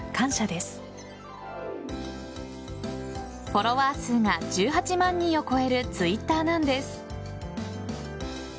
フォロワー数が１８万人を超えるＴｗｉｔｔｅｒなんです。